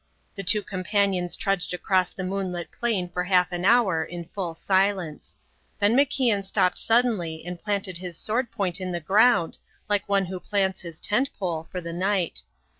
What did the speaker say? The two companions trudged across the moonlit plain for half an hour in full silence. Then MacIan stopped suddenly and planted his sword point in the ground like one who plants his tent pole for the night.